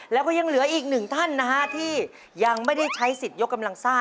แล้วก็ยังเหลืออีกหนึ่งท่านนะฮะที่ยังไม่ได้ใช้สิทธิ์ยกกำลังซ่า